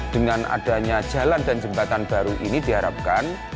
dengan adanya jalan dan jembatan baru ini diharapkan